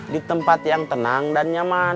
di tempat yang tenang dan nyaman